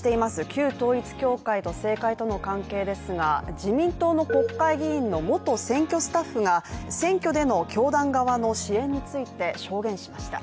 旧統一教会と政界との関係ですが、自民党の国会議員の元選挙スタッフが選挙での教団側の支援について証言しました。